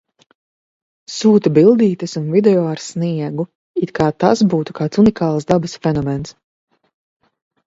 Sūta bildītes un video ar sniegu. It kā tas būtu kāds unikāls dabas fenomens.